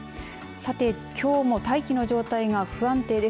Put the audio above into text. さて、きょうも大気の状態が不安定です。